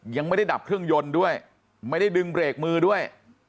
ยังไม่ได้ดับเครื่องยนต์ด้วยไม่ได้ดึงเบรกมือด้วย